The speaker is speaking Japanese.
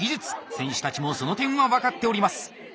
選手たちもその点は分かっております。